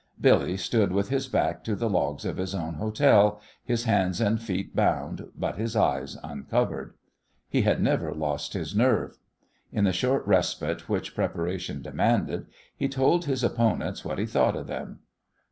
Billy stood with his back to the logs of his own hotel, his hands and feet bound, but his eyes uncovered. He had never lost his nerve. In the short respite which preparation demanded, he told his opponents what he thought of them.